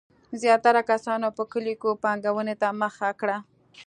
زیاتره کسانو په کلیو کې پانګونې ته مخه کړه.